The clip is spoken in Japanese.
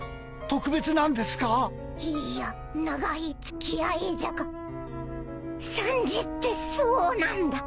いや長い付き合いじゃがサンジってそうなんだ。